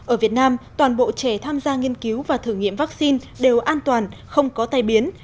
ở việt nam toàn bộ trẻ tham gia nghiên cứu và thử nghiệm vaccine đều an toàn không có tai biến